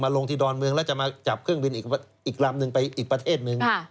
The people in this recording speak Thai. ลงที่ดอนเมืองแล้วจะมาจับเครื่องบินอีกลำนึงไปอีกประเทศหนึ่ง